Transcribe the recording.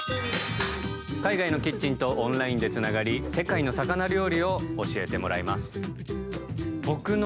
海外のキッチンとオンラインでつながり世界の魚料理を教えてもらいます。